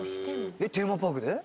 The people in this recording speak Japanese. えっテーマパークで？